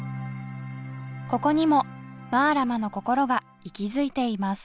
ここにもマラマのこころが息づいています